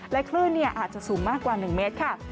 คลื่นอาจจะสูงมากกว่า๑เมตรค่ะ